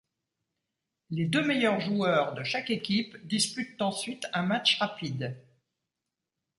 Les deux meilleurs joueurs de chaque équipe disputent ensuite un match rapide.